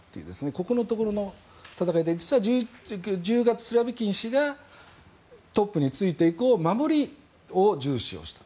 ここのところの戦いで１０月、スロビキン氏がトップに就いて以降守りを重視していた。